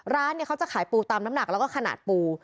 ร้านเนี่ยเขาจะขายปูตามน้ำหนักแล้วก็ขนาดปู